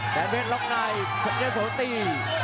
แต่เมล็ดล็อคไนด์เพราะเยอะโสตี